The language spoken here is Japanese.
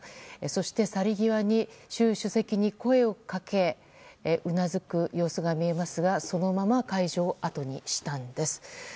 そして、去り際に習主席に声をかけうなずく様子が見えますがそのまま会場を後にしたんです。